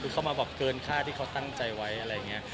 คือเข้ามาแบบเกินค่าที่เขาตั้งใจไว้อะไรอย่างนี้